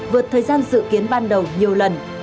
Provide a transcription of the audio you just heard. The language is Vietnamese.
vượt thời gian dự kiến ban đầu nhiều lần